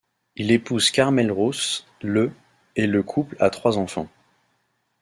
Il épouse Carmel Ruth le et le couple a trois enfants.